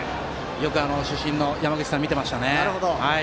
よく主審の山口さんが見てましたね。